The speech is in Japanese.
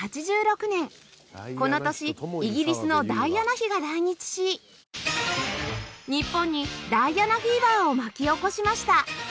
この年イギリスのダイアナ妃が来日し日本にダイアナフィーバーを巻き起こしました